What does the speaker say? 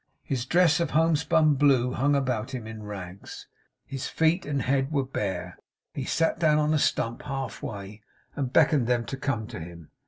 His dress of homespun blue hung about him in rags; his feet and head were bare. He sat down on a stump half way, and beckoned them to come to him.